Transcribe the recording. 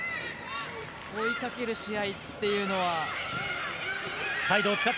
追いかける試合というのは。